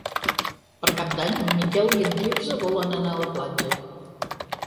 Per Cap d'Any en Miquel i en Quirze volen anar a la platja.